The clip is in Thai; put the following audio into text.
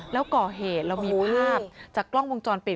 แล้วก่อเหตุเรามีภาพจากกล้องวงจรปิด